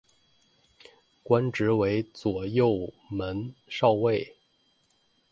官职为左卫门少尉。